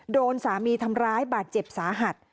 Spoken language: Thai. โดนสามีทำร้ายบาดเจ็บสาหัส